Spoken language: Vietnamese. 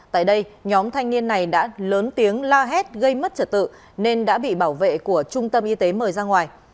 tại đây nhóm thanh niên này đã lớn tiếng la hét gây mất trật tự nên đã bị bảo vệ của trung tâm y tế mời ra ngoài